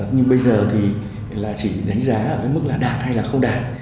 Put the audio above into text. nhưng bây giờ thì chỉ đánh giá ở mức là đạt hay là không đạt